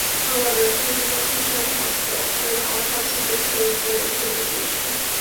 However, they do not control the hospital, where the autopsy disproves their interpretation.